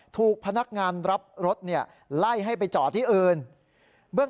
ถูกพนักงานรับรถเนี่ยไล่ให้ไปจอดที่อื่นเบื้อง